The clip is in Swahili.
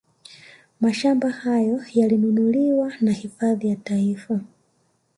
Mashamba hayo yalinunuliwa na hifadhi ya Taifa